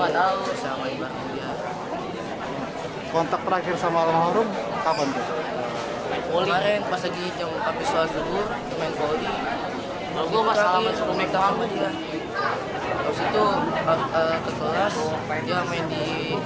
di situ kekelas dia main di